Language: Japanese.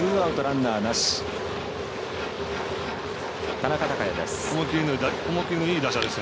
田中貴也です。